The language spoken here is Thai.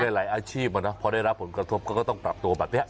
หลายอาชีพพอได้รับผลกระทบก็ต้องปรับตัวแบบนี้